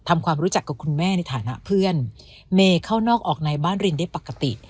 ทำความรู้จักกับคุณแม่ในฐานะเพื่อนเมย์เข้านอกออกในบ้านรินได้ปกติ